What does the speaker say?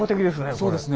そうですね。